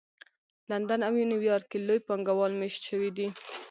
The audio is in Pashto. لندن او نیویارک کې لوی پانګه وال مېشت شوي دي